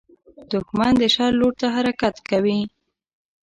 دښمن د شر لور ته حرکت کوي